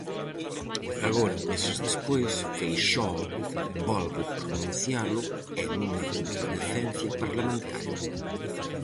Agora, meses despois, Feixóo volve pronuncialo e nunha comparecencia parlamentaria.